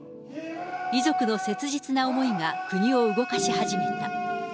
遺族の切実な思いが国を動かし始めた。